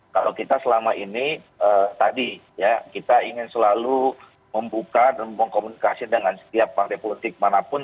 kalau kita selama ini tadi ya kita ingin selalu membuka dan mengkomunikasi dengan setiap partai politik manapun